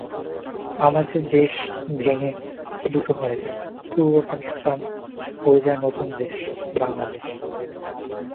আমাদের দেশ ভেঙে দুটো হয়ে যায়, পূর্ব পাকিস্তান হয়ে যায় নতুন দেশ—বাংলাদেশ।